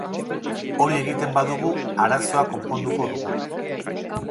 Hori egiten badugu, arazoa konponduko dugu.